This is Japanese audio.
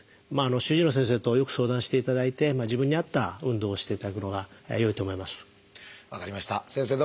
主治医の先生とよく相談していただいて自分に合った運動をしていただくのがよいと思います。